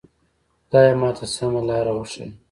خدایه ماته سمه لاره وښیه.